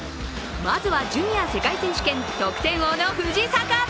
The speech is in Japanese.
まずは、ジュニア世界選手権得点王の藤坂。